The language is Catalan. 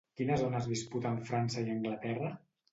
Quina zona es disputen França i Anglaterra?